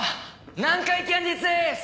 南海キャンディーズです！